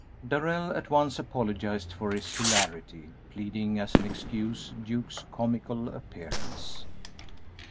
Darrell at once apologized for his hilarity, pleading as an excuse Duke's comical appearance.